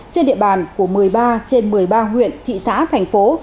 trên địa bàn của một mươi ba trên một mươi ba huyện thị xã thành phố